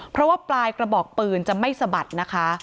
เพราะว่าปลายกระบอกปืนจะไม่สะบัดนะคะ